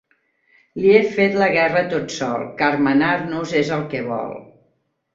Li he fet la guerra tot sol, car manar-nos és el que vol.